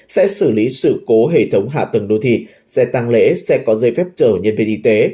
sẽ xử lý sự cố hệ thống hạ tầng đô thị xe tăng lễ xe có dây phép chở nhân viên y tế